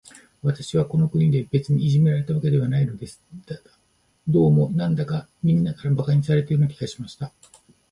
私はこの国で、別にいじめられたわけではないのです。だが、どうも、なんだか、みんなから馬鹿にされているような気がしました。